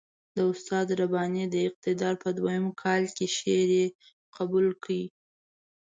د استاد رباني د اقتدار په دویم کال کې شعر یې قبول کړ.